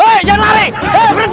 hei jangan lari berhenti berhenti